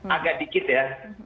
agak dikit ya